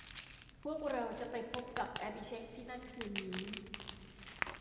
พวกเราจะไปพบกับแอบิเช็คที่นั่นคืนนี้